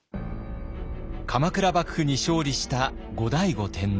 鎌倉幕府に勝利した後醍醐天皇。